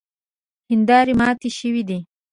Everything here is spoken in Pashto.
هیندارې ماتې شوې دي.